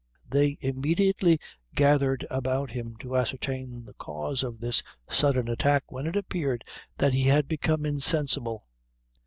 They immediately gathered about him to ascertain the cause of this sudden attack, when it appeared that he had become insensible.